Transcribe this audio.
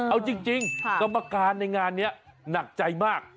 เอาจริงกรรมการในงานนี้หนักใจมาก